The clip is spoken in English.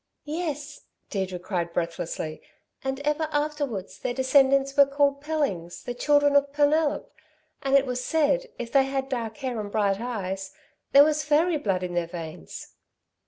"Yes," Deirdre cried breathlessly, "and ever afterwards their descendants were called Pellings, the children of Penelop, and it was said, if they had dark hair and bright eyes, there was fairy blood in their veins."